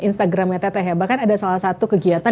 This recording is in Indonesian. instagramnya tete bahkan ada salah satu kegiatan